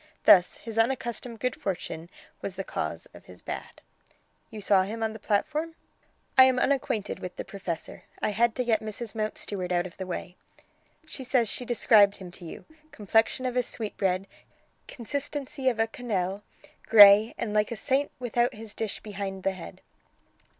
Thus his unaccustomed good fortune was the cause of his bad." "You saw him on the platform?" "I am unacquainted with the professor. I had to get Mrs Mountstuart out of the way." "She says she described him to you. 'Complexion of a sweetbread, consistency of a quenelle, grey, and like a Saint without his dish behind the head.'"